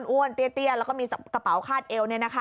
้วนเตี้ยแล้วก็มีกระเป๋าคาดเอว